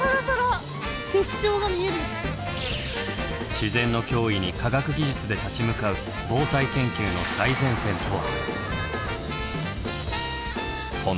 自然の脅威に科学技術で立ち向かう防災研究の最前線とは？